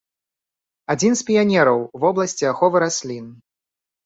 Адзін з піянераў у вобласці аховы раслін.